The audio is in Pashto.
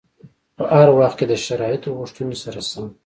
په هر وخت کې د شرایطو غوښتنو سره سم.